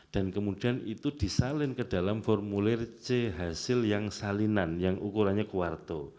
dan kemudian itu disalin ke dalam formulir c hasil yang salinan yang ukurannya quarto